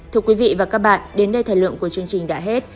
thưa quý vị và các bạn đến đây thời lượng của chương trình đã hết